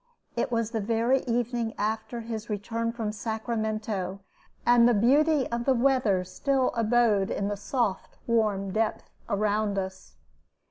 It was the very evening after his return from Sacramento, and the beauty of the weather still abode in the soft warm depth around us.